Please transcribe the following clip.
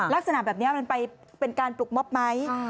ลักษณะแบบนี้มันไปเป็นการปลุกม็อบไหม